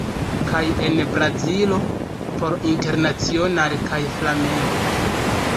Kaj en Brazilo por Internacional kaj Flamengo.